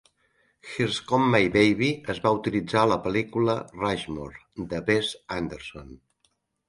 "Here Comes My Baby" es va utilitzar a la pel·lícula "Rushmore" de Wes Anderson.